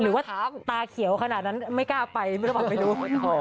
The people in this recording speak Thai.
หรือว่าตาเขียวขนาดนั้นไม่ก้าไปคุณพ่อคุณไม่ต้องไปดู